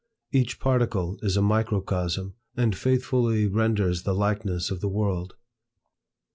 Each particle is a microcosm, and faithfully renders the likeness of the world.